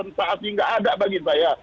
nggak ada bagi saya